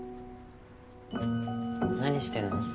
何してんの？